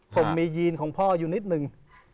ผมมียีนของพ่ออยู่นิดหนึ่ง